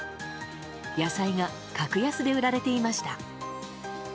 野菜が格安で売られていました。